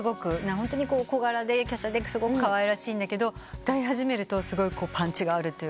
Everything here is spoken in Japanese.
ホントに小柄できゃしゃですごくかわいらしいんだけど歌い始めるとすごいパンチがあるというか。